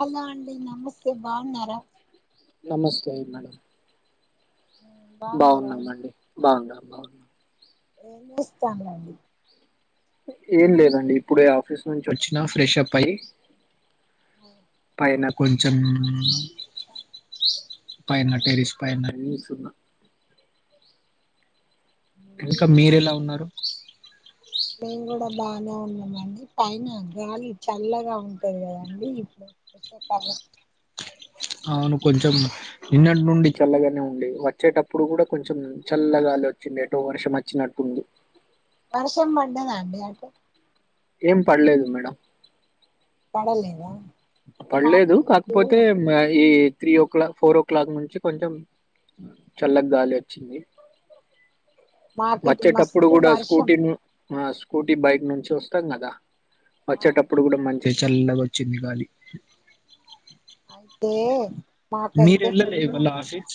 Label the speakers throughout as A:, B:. A: Hello అండి నమస్తే బాగున్నారా
B: నమస్తే మేడం
A: బాగున్నారా
B: బాగున్నామ అండి బాగున్నాం అ
A: ఏం చేస్తన్నారు
B: ఏం లేదండి ఇప్పుడ ఆఫీస్ నుంచి వచ్చినా ఫ్రెషప్ అయి
A: అ
B: పైన కొంచెం పైన టెరిస్ పైనన్నా ఇంకా
A: మీద
B: మీర ఎలా ఉన్నారు
A: మేము కూడా బాగా ఉన్నామ అండి పైన గాలి చల్లగా ఉంటది కదండి ఇప్పుడు కషకాల
B: అవును కొంచెం నిన్నటి నుండి చల్లగానే ఉండి వచ్చేటప్పుడు కూడా కొంచెం చల్లగాలి వచ్చింది ఎటో వర్షం వచ్చినట్టుంది
A: వర్షం పడలేదా అండి
B: ఏం పడలేదు మేడం
A: పడలేదా
B: పడలేదు
A: మాకు ఇటు
B: కాకపోతే ఈ three o'clock four o'clock నుంచి కొంచెం చల్లకు దలి వచ్చింది
A: మాకు ఇటు
B: వచ్చేటప్పుడు
A: మస్తు
B: కూడా
A: వర్షం
B: స్కూటీ ను మా స్కూటీ బైక్ నుంచి వస్తాం కదా
A: ఆ
B: వచ్చేటప్పుడు కూడా మంచి అతే చల్లగా వచ్చింది గాలి
A: తే
B: మీరు వెళ్ళ లే ఇవల్ ఆఫీస్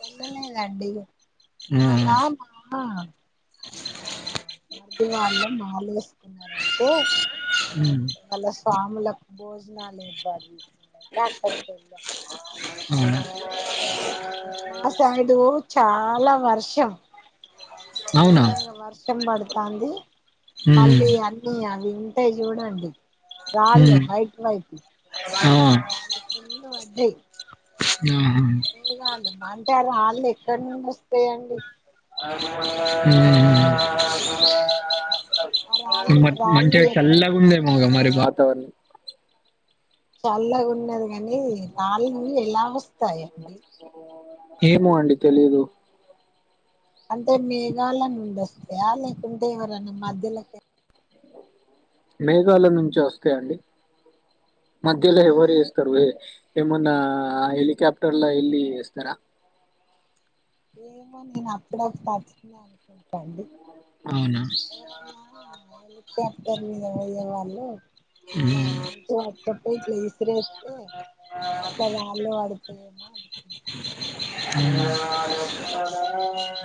A: వెళ్లలేదు దండి
B: ఉమ్,
A: ఇలా మా వాళ్ళం మాలేస్ సరైయితే మళ్ళ స్వాములకు భోజనాలు లేదు బాజ [inaudible]
B: హ్మ్
A: మాసైడు చాలా వర్షం
B: అవునా
A: గోరంగా వర్షం పడుతు తాంది
B: ఉమ్,
A: మళ్ళీ అన్ని అవి ఉంటాయి చూడండి రాళ్లు
B: ఉమ్,
A: వైట్ వైట్
B: ఆ, ఆహా,
A: అది మీద పడ్లాయ్
B: ఉమ్.
A: అంటే ఆ రాళ్ళ ఎక్కడి నుండి వస్తాయండి
B: హ
A: ఆ రాళ్ళు
B: మ
A: రాళ్ళు
B: మంచిగా
A: ఎక్క
B: చల్ గు ఉంద మగ మరి వాతావరణం
A: చల్లగ ఉన్నది గనీ రాళ్ళు ఎలా వస్తాయే
B: ఓ ఏమో అండి తెలిదు
A: అంటే మేఘాల నుండొస్తాయా లేకుంటే ఎవరన్నా మధ్యలోకె
B: మేఘాల నుంచే వస్తాయండి మధ్యలో
A: అంటే
B: ఎవరు ఎస్తరుయే ఏమన్నా ఆహ్ హెలికాప్టర్లో ఎళ్ళి ఎస్తర
A: ఏమో నేను అప్పుడ పర్చిందా అనుకుంటాండి
B: అవునా
A: ఎవరన్నా ఎళ్ళి కాప్టర్లు మీద పోయేవాళ్ళు ఇట్లా
B: ఉమ్.
A: మంచిగ ఓ పొట్టి ఇట్లా ఇసిరేస్తే అట్లా రాళ్ళు వడతాయ్ ఏమో.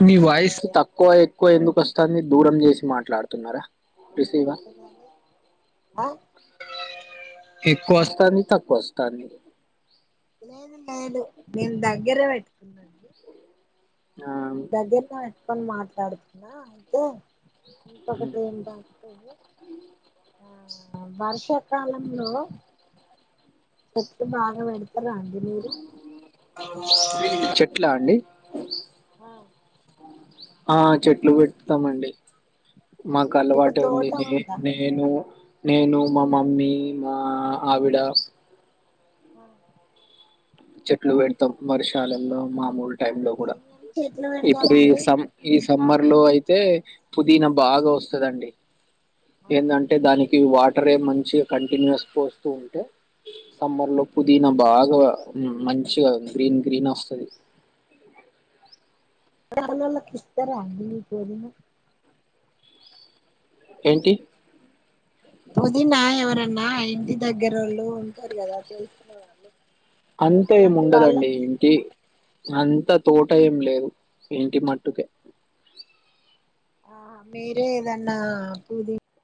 B: మీ వాయిస్
A: అట్లా
B: తక్కువయ్ కొ ఎందుకస్ తంది దూరం జేసి మాట్లాడ తున్నార
A: అహ్
B: ఎక్కువస్తంది తక్కువస్తంది.
A: లేదు లేదు నేన్ దగ్గరే బెట్టుకున్నాను
B: ఆ
A: దగ్గిర్మోయ్ త్తం మాట్లాడుతున్నా అయితే ఇంకొకటి ఏంటి అంటే ఆ వర్షాకాలంలో చెట్లు బాగ పెడ్ రాంజినేలు
B: చెట్లా అండి
A: ఆహ్
B: ఆహ్ చెట్లు వెడ్తమండి
A: మీకు
B: మాకలవాటే ఉంది
A: తోట
B: నే
A: ఉందా
B: నేను నేను మా మమ్మీ మా ఆహ్ ఆవిడ
A: అహ్
B: చెట్లు వెడ్తం వర్షాలలో మామూల్ టైం లో గూడ
A: ఏమేమి చెట్లు
B: ఇప్పుడి ఈ
A: పెడతారండి
B: సమ్ ఇస్ సమ్మర్ లో అయితే పుదీనా బాగా వస్తదండి. ఏందంటే దాని ఈ వాటరే మంచిగా కంటిన్యూస్ పోస్తూ ఉంటే సమ్మర్ లో పుదీనా బాగా మంచిగా గ్రీన్ గ్రీన్ వస్తది
A: క ఇస్తరా అండి పుదీన
B: ఏంటి
A: పుదీనా ఎవరన్నా ఇంద దగ్గ దగ్గర వాళ్ళు ఉంటారు కదా తెలిసిన వాళ్ళు
B: అంతే
A: అలాంటి
B: ఏముండదండి
A: వాళ్ళకి
B: ఇంటి
A: ఇస్తారా
B: అంతా తోట ఏం లేదు ఇంటి మట్టుకే
A: ఆ మీరేదన్న పూది